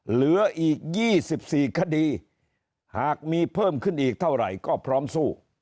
เหลืออีก๒๔คดีหากมีเพิ่มขึ้นอีกเท่าไหร่ก็พร้อมสู้